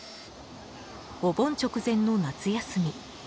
お盆直前の夏休み。